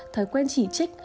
thời quen chỉ trích